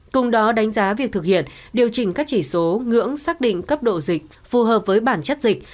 cùng đó đánh giá việc thực hiện điều chỉnh các chỉ số ngưỡng xác định cấp độ dịch phù hợp với bản chất dịch